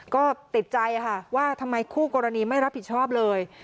ก็ติดใจค่ะว่าทำไมคู่กรณีไม่รับผิดชอบเลย